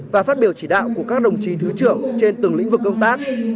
và phát biểu chỉ đạo của các đồng chí thứ trưởng trên từng lĩnh vực công tác